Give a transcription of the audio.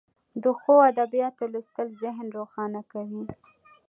د ښو ادبیاتو لوستل ذهن روښانه کوي.